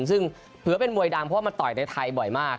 ซึ่งถือว่าเป็นมวยดังเพราะว่ามันต่อยในไทยบ่อยมาก